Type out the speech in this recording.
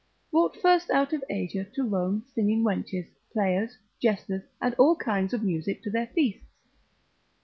brought first out of Asia to Rome singing wenches, players, jesters, and all kinds of music to their feasts.